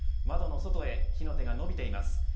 窓の外へ火の手が伸びています。